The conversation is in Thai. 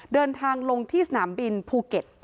เดินทางลงที่สนามบินภูเก็ต